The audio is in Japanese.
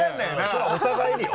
それはお互いによ？